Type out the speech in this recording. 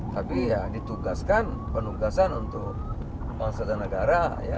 tapi ya ditugaskan penugasan untuk masyarakat negara